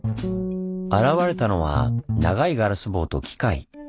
現れたのは長いガラス棒と機械。